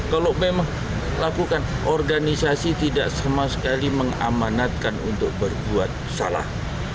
kalau memang lakukan organisasi tidak sama sekali mengamanatkan untuk berbuat salah